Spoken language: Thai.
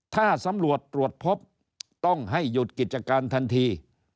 ถ้าสำรวจตรวจพบต้องให้หยุดกิจการทันที